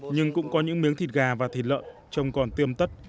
nhưng cũng có những miếng thịt gà và thịt lợn trông còn tươm tất